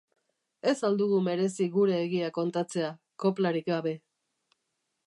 Ez al dugu merezi gure egia kontatzea, koplarik gabe?